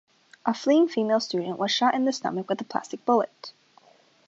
A fleeing female student was shot in the stomach with a plastic bullet.